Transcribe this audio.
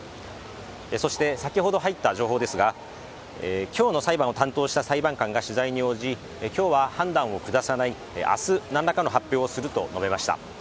そして、先ほど入った情報ですが、今日の裁判を担当した裁判官が取材に応じ、今日は判断を下さない明日何らかの発表をすると述べました。